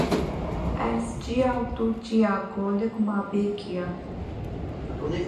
Ez çiya û tu çiya, golik ma bê gîya